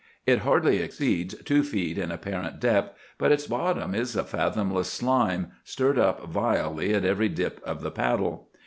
It hardly exceeds two feet in apparent depth, but its bottom is a fathomless slime, stirred up vilely at every dip of the paddle.